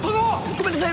ごめんなさい！